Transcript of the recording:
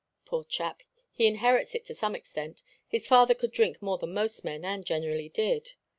"Poor chap! He inherits it to some extent. His father could drink more than most men, and generally did."